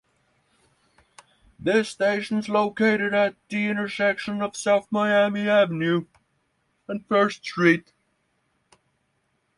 This station is located at the intersection of South Miami Avenue and First Street.